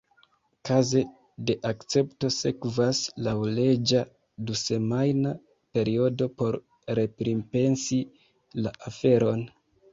Kaze de akcepto sekvas laŭleĝa dusemajna periodo por repripensi la aferon.